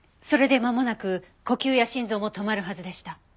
それでまもなく呼吸や心臓も止まるはずでした。